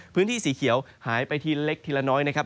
พื้นที่สีเขียวหายไปทีเล็กทีละน้อยนะครับ